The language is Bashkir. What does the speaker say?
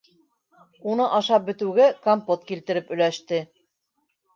Уны ашап бөтөүгә, компот килтереп өләште.